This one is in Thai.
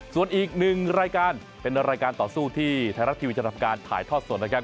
ส่วนอีกหนึ่งรายการเป็นรายการต่อสู้ที่ไทยรัฐทีวีจะทำการถ่ายทอดสดนะครับ